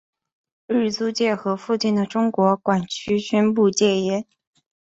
日租界和附近的中国管区宣布戒严。